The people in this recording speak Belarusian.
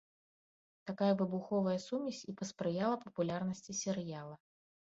Такая выбуховая сумесь і паспрыяла папулярнасці серыяла.